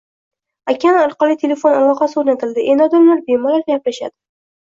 Okean orqali telefon aloqasi o’rnatildi, endi odamlar bemalol gaplashadi.